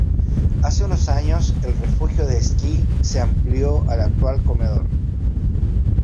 Hace solo unos años, el refugio de esquí se amplió al actual comedor..